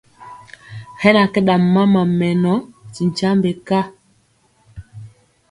Hɛ na kɛ ɗam mama mɛnɔ ti nkyambe ka.